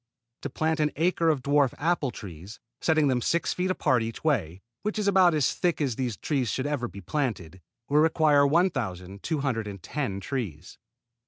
To plant an acre to dwarf apple trees, setting them six feet apart each way, which is about as thick as these trees should ever be planted, will require 1,210 trees.